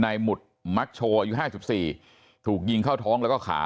หมุดมักโชว์อายุ๕๔ถูกยิงเข้าท้องแล้วก็ขา